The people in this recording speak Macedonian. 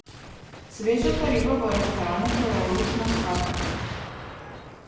Свежата риба во рестораните е обично скапа.